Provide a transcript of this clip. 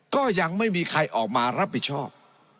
ก็ยังไม่มีใครออกมารับผิดชอบ